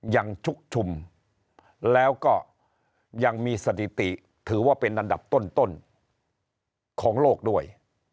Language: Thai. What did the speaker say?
ชุกชุมแล้วก็ยังมีสถิติถือว่าเป็นอันดับต้นของโลกด้วย